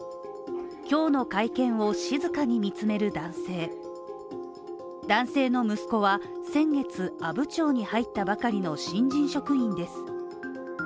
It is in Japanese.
今日の会見を静かに見つめる男性男性の息子は先月阿武町に入ったばかりの新人職員です。